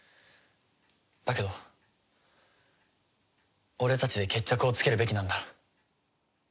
だけど俺たちで決着をつけるべきなんだ。